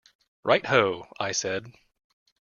"Right ho," I said.